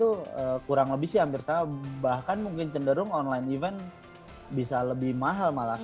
dan offline event tuh kurang lebih sih hampir sama bahkan mungkin cenderung online event bisa lebih mahal malah